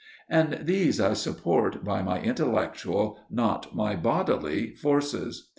And these I support by my intellectual, not my bodily forces.